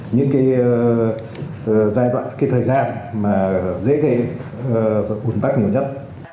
những cái giai đoạn cái thời gian mà dễ gây ủn tắc nhiều nhất